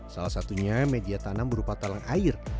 salah satunya media tanam berupa talang air